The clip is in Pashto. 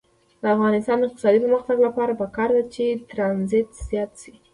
د افغانستان د اقتصادي پرمختګ لپاره پکار ده چې ترانزیت زیات شي.